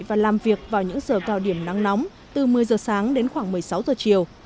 và làm việc vào những giờ cao điểm nắng nóng từ một mươi giờ sáng đến khoảng một mươi sáu giờ chiều